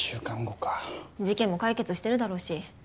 事件も解決してるだろうし。